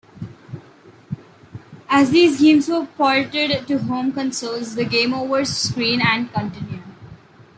As these games were ported to home consoles, the "Game over" screen and "Continue?